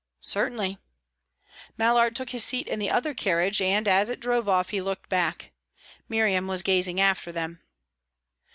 "Certainly." Mallard took his seat in the other carriage; and, as it drove off, he looked back. Miriam was gazing after them.